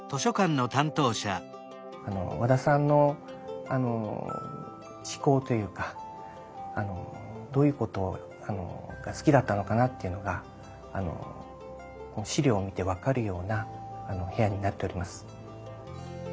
和田さんの嗜好というかどういうことが好きだったのかなというのが資料を見て分かるような部屋になっております。